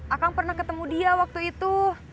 akan pernah ketemu dia waktu itu